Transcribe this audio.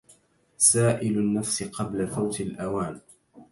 سائل النفس قبل فوت الأوان